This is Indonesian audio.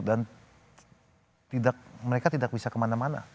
dan mereka tidak bisa kemana mana